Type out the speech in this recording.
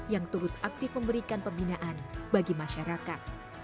yang turut aktif memberikan pembinaan bagi masyarakat